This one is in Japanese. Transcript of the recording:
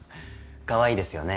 かわいいですよね